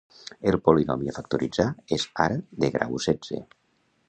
El polinomi a factoritzar és ara de grau setze.